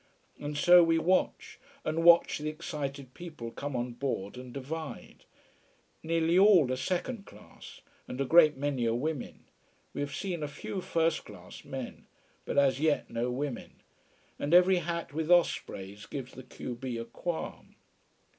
And so we watch and watch the excited people come on board and divide. Nearly all are second class and a great many are women. We have seen a few first class men. But as yet no women. And every hat with ospreys gives the q b a qualm.